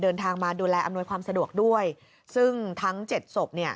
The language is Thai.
เดินทางมาดูแลอำนวยความสะดวกด้วยซึ่งทั้งเจ็ดศพเนี่ย